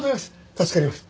助かります。